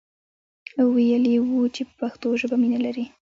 ویلی وو چې په پښتو ژبه مینه لري.